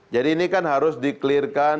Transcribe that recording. jadi ini kan harus di clearkan